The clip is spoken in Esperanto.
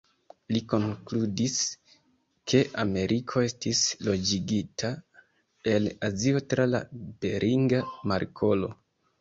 Li konkludis, ke Ameriko estis loĝigita el Azio tra la Beringa Markolo.